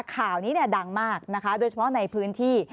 ข่าวนี้ดังมากนะคะโดยเฉพาะในพื้นที่